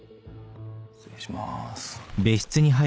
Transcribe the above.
失礼しまーす。